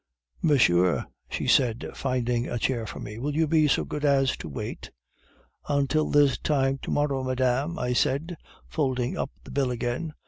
"'"Monsieur," she said, finding a chair for me, "will you be so good as to wait?" "'"Until this time to morrow, madame," I said, folding up the bill again.